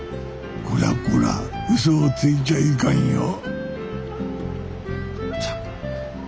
こらこらうそをついちゃいかんよったく。